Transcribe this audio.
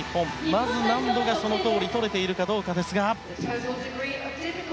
まず難度がそのとおり取れているかどうかですが。